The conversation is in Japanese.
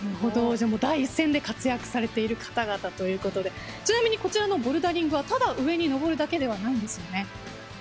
第一線で活躍されている方々ということでちなみにこちらのボルダリングはただ上に登るだけではないんですよね。